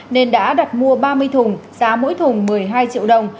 nên đã đặt mua ba mươi thùng giá mỗi thùng một mươi hai triệu đồng